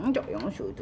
cok yang asuh itu